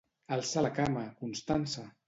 Alça la cama, Constança!